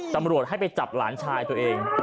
ตำรวจให้ไปจับหลานชายตัวเอง